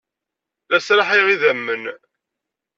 La sraḥayeɣ idammen.